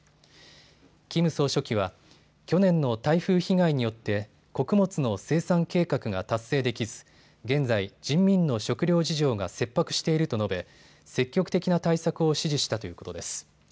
キム総書記は、去年の台風被害によって穀物の生産計画が達成できず、現在、人民の食糧事情が切迫していると述べ積極的な対策を指示したということです。